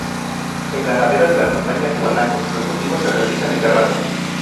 En laderas de las montañas y barrancos, los cultivos se realizan en terrazas.